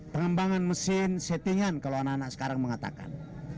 pengembangan mesin settingan kalau anak anak sekarang mengatakan